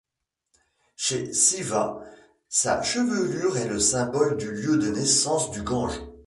Chez Siva, sa chevelure est le symbole du lieu de naissance du Gange.